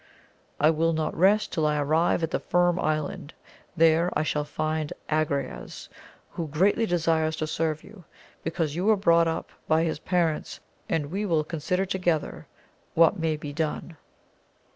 I will not rest, till I arrive at the Firm Island, there I shall find Agrayes, who greatly desires to serve you, because you were brought up by his parents, and we will consider together what may be done.